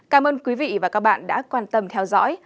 cảm ơn quý vị và các bạn đã quan tâm theo dõi